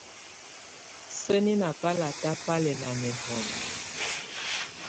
Sǝ́ni ná balata bá lɛ ná nɛhɔnɔ.